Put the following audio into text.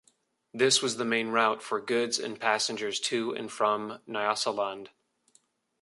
This was the main route for goods and passengers to and from Nyasaland.